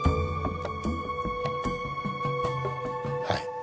はい。